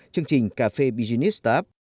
chương trình cafe business start